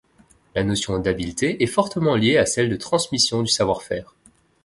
La notion d’habileté est fortement liée à celle de transmission du savoir-faire.